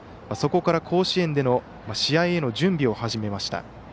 そこから甲子園での試合への準備を始めました。